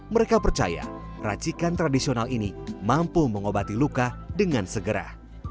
mereka percaya racikan tradisional ini mampu mengobati luka dengan segera